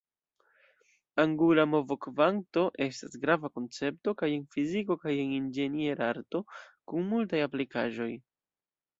Angula movokvanto estas grava koncepto kaj en fiziko kaj en inĝenierarto, kun multaj aplikaĵoj.